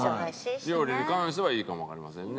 料理に関してはいいかもわかりませんね。